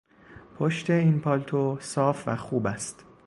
پشت این پالتو صاف و خوب است.